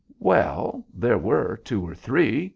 "Well. There were two or three.